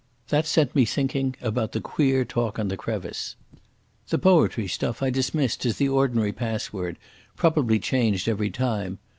That set me thinking about the queer talk on the crevice. The poetry stuff I dismissed as the ordinary password, probably changed every time.